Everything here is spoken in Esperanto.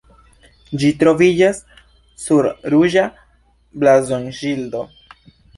Ĝi troviĝas sur ruĝa blazonŝildo.